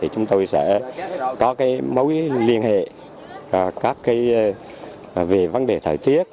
chúng tôi sẽ có cái mối liên hệ các cái về vấn đề thời tiết